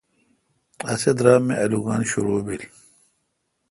اسی درام می آلوگان شرو بیل۔